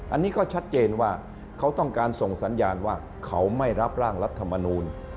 อันนี้ก็ชัดเจนว่าเขาต้องการส่งสัญญาณว่าเขาไม่รับร่างรัฐมนูล